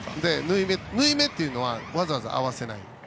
縫い目っていうのはわざわざ合わせない。